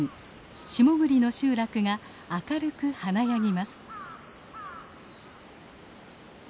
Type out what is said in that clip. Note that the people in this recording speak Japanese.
下栗の集落が明るく華やぎます。